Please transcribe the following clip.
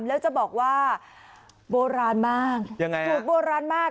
แล้วจะบอกว่าโบราณมากยังไงฮะสูตรโบราณมาก